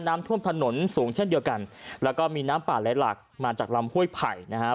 น้ำท่วมถนนสูงเช่นเดียวกันแล้วก็มีน้ำป่าไหลหลักมาจากลำห้วยไผ่นะครับ